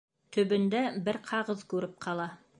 Төбөндә бер ҡағыҙ күреп ҡала.